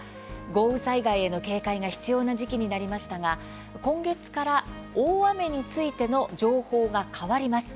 豪雨災害への警戒が必要な時期になりましたが今月から大雨についての情報が変わります。